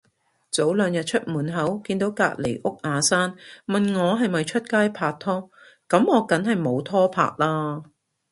早兩日出門口見到隔離屋阿生，問我係咪出街拍拖，噉我梗係冇拖拍啦